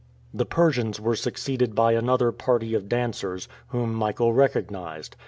The Persians were succeeded by another party of dancers, whom Michael recognized.